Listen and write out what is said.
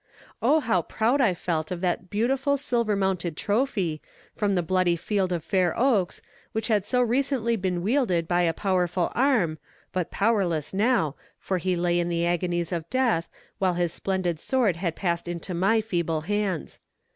Oh, how proud I felt of that beautiful silver mounted trophy, from the bloody field of Fair Oaks, which had so recently been wielded by a powerful arm, but powerless now, for he lay in the agonies of death, while his splendid sword had passed into my feeble hands.